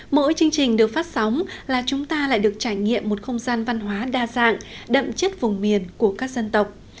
mỗi chương trình được phát sóng là chúng ta lại được trải nghiệm một không gian văn hóa đa dạng đậm chất vùng miền của các dân tộc